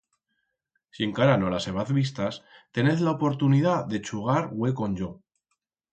Si encara no las hebaz vistas, tenez la oportunidat de chugar hue con yo.